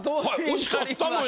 惜しかったのよ。